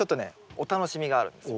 お楽しみがあるんですよね。